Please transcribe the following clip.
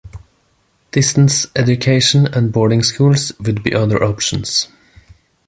Distance education and boarding schools would be other options.